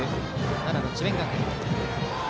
奈良の智弁学園。